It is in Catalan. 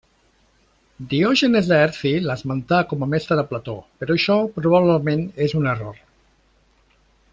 Diògenes Laerci l'esmenta com a mestre de Plató, però això probablement és un error.